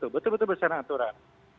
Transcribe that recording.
betul betul berserah aturan